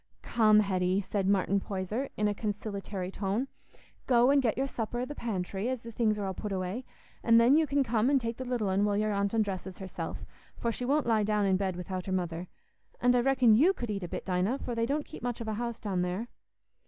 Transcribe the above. "Come, Hetty," said Martin Poyser, in a conciliatory tone, "go and get your supper i' the pantry, as the things are all put away; an' then you can come and take the little un while your aunt undresses herself, for she won't lie down in bed without her mother. An' I reckon you could eat a bit, Dinah, for they don't keep much of a house down there."